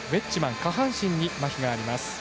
下半身にまひがあります。